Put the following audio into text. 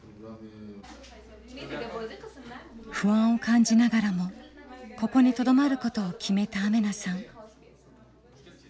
不安を感じながらもここにとどまることを決めたアメナさん。